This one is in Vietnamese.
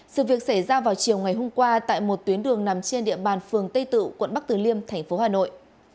sự việc xảy ra vào chiều ngày hôm qua tại một tuyến đường nằm trên địa bàn phường tây tự quận bắc từ liêm tp hà nội